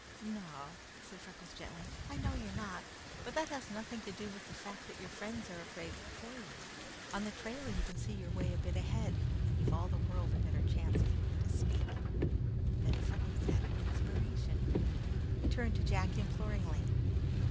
"No," said Freckles gently, "I know you're not; but that has nothing to do with the fact that your friends are afraid for you. On the trail you can see your way a bit ahead, and you've all the world a better chance if you meet a snake." Then Freckles had an inspiration. He turned to Jack imploringly.